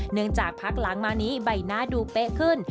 จากพักหลังมานี้ใบหน้าดูเป๊ะขึ้น